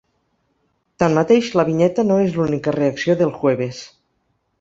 Tanmateix, la vinyeta no és l’única reacció dEl jueves.